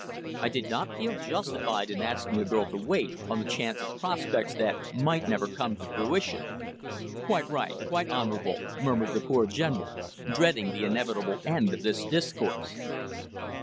I did not feel justified in asking a girl to wait, on the chance of prospects that might never come to fruition." "Quite right, quite honourable!" murmured the poor General, dreading the inevitable end of this discourse.